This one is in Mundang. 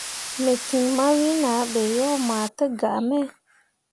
Me cin mawen ah ɓe yo mah tǝgaa me.